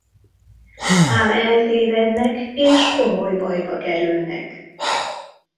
Ám eltévednek és komoly bajba kerülnek.